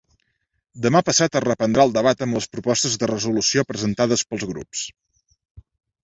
Demà passat es reprendrà el debat amb les propostes de resolució presentades pels grups.